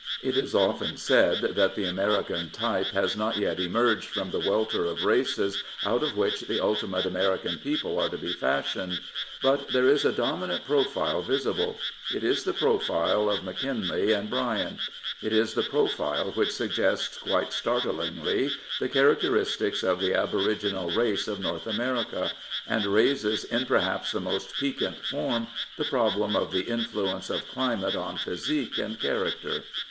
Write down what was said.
It is often said that the American type has not yet emerged from the welter of races out of which the ultimate American people are to be fashioned. But there is a dominant proffie visible. It is the profile of M'Kinley and Bryan. It is the profile which suggests quite start lingly the characteristics of the aboriginal race of North America, and raises in peffeps the most piquant form the problem of the influence of climate on physique and character.